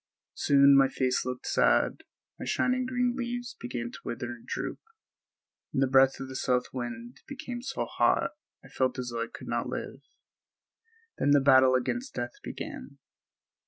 Soon my face looked sad; my shining green leaves began to wither and droop, and the breath of the south wind became so hot I felt as though I could not live. Then the battle against death began.